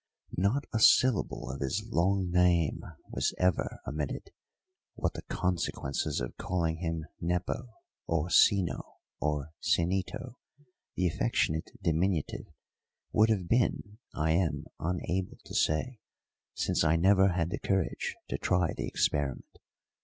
Not a syllable of his long name was ever omitted what the consequences of calling him Nepo, or Cino, or Cinito, the affectionate diminutive, would have been I am unable to say, since I never had the courage to try the experiment.